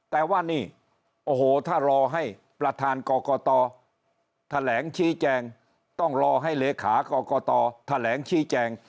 แต่ว่านี่โอ้โหถ้ารอให้ประธานกรกตแถลงชี้แจงต้องรอให้เลขากรกตแถลงชี้แจง